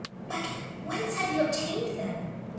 "But whence have you obtained them?"